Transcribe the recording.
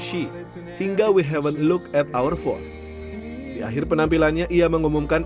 she hingga we haven't look at our phone di akhir penampilannya ia mengumumkan